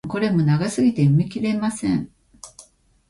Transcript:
どれもこれも長すぎて読み切れません。